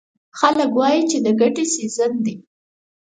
خلک وایي چې د ګټې سیزن دی.